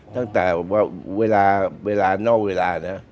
ตั้งแต่เวลานอกเวลานะ